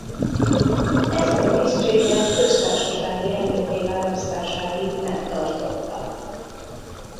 Ezt a tisztséget köztársasági elnökké választásáig megtartotta.